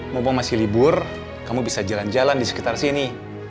mumpung masih libur kamu bisa jalan jalan di sekitar sini